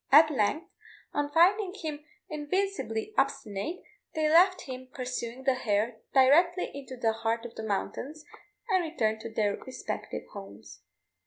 At length, on finding him invincibly obstinate, they left him pursuing the hare directly into the heart of the mountains, and returned to their respective homes.